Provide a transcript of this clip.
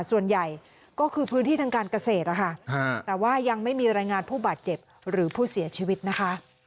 ส่วนใหญ่ก็คือพื้นที่ทางการเกษตรนะคะแต่ว่ายังไม่มีรายงานผู้บาดเจ็บหรือผู้เสียชีวิตนะคะ